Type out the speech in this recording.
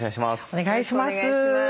お願いします。